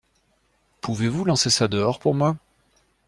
Pouvez-vous lancer ça dehors pour moi ?